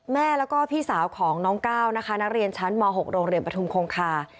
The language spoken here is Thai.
แม่แล้วก็พี่สาวของน้องก้าวนะคะนักเรียนชั้นม๖โรงเรียนปฐุมคงคา